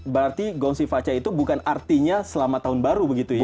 berarti gongsi face itu bukan artinya selamat tahun baru begitu ya